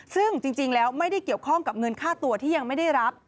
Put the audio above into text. ซึ่งจริงแล้วไม่ได้เกี่ยวข้องกับเงินค่าตัวที่ยังไม่ได้รับ